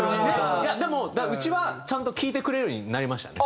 いやでもうちはちゃんと聴いてくれるようになりましたね。